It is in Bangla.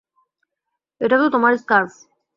এটা তো তোমার স্কার্ফ!